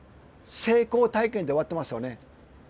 成功体験で終わってますよね。